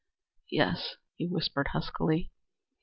"Yes," he whispered huskily.